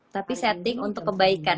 tapi setting untuk kebaikan